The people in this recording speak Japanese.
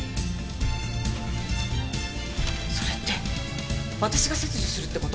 それって私が切除するって事？